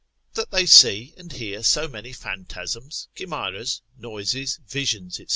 That they see and hear so many phantasms, chimeras, noises, visions, &c.